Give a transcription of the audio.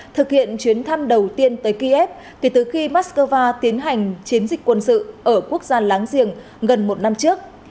thực hiện chuyến thăm đầu tiên tới kiev kể từ khi moscow tiến hành chiến dịch quân sự ở quốc gia láng giềng gần một năm trước